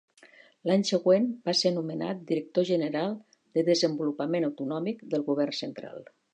L'any següent va ser nomenat director general de Desenvolupament Autonòmic del Govern central.